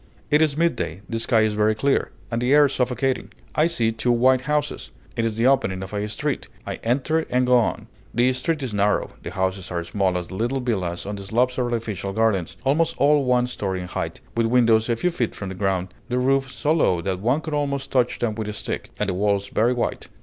It is midday, the sky is very clear, and the air suffocating. I see two white houses; it is the opening of a street; I enter and go on. The street is narrow, the houses as small as the little villas on the slopes of artificial gardens, almost all one story in height, with windows a few feet from the ground, the roofs so low that one could almost touch them with a stick, and the walls very white.